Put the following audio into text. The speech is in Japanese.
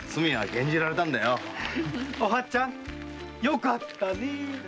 おはつちゃんよかったね！